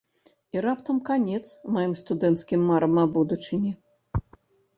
І раптам канец маім студэнцкім марам аб будучыні.